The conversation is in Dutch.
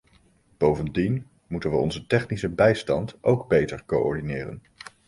Bovendien moeten we onze technische bijstand ook beter coördineren.